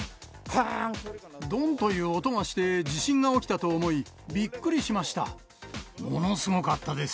どんという音がして、地震がものすごかったです。